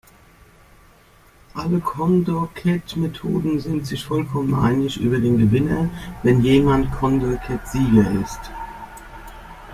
Alle Condorcet-Methoden sind sich vollkommen einig über den Gewinner, wenn jemand Condorcet-Sieger ist.